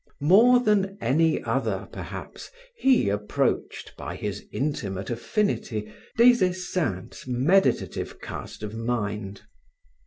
More than any other, perhaps, he approached, by his intimate affinity, Des Esseintes' meditative cast of mind.